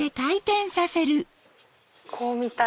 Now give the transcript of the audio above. こう見たい。